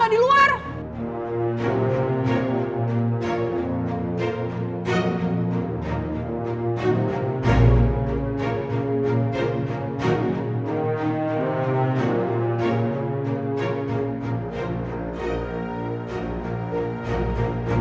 gak di sekolah gak di sekolah